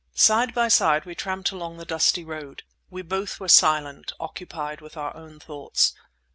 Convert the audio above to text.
Side by side we tramped along the dusty road. We both were silent, occupied with our own thoughts.